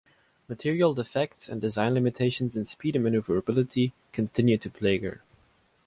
Material defects and design limitations in speed and maneuverability continued to plague her.